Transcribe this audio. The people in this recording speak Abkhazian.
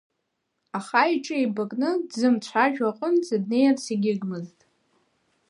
Аха иҿы еибакны, дзымцәажәо аҟынӡа днеирц егьигмызт.